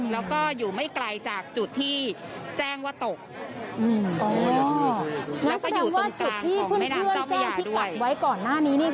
แล้วก็อยู่ไม่ไกลจากจุดที่แจ้งว่าตกอ๋อนั่นแสดงว่าจุดที่เพื่อนเพื่อนเจ้าพิกัดไว้ก่อนหน้านี้นี่